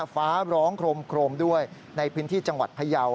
ฟ้าร้องโครมด้วยในพื้นที่จังหวัดพยาว